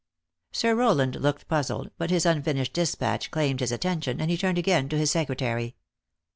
Sir Rowland looked puzzled, but his unfinished dis patch claimed his attention, and he turned again to his secretary.